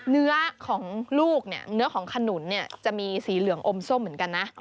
เนื้อของขนุนจะมีสีเหลืองอมส้มเหมือนกันนะ